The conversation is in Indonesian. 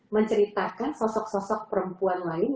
menceritakan sosok sosok perempuan lain